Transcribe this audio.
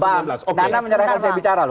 bang karena menyerahkan saya bicara loh